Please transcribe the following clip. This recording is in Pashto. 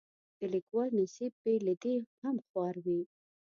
د لیکوالو نصیب بې له دې هم خوار وي.